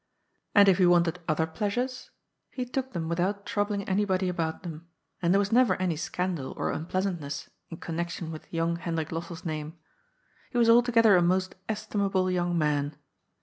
And if he wanted other pleasures, he took them without trou bling anybody about them, and there was never any scandal or unpleasantness in connection with young Hendrik Los sell's name. He was altogether a most estimable young man.